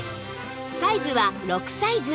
サイズは６サイズ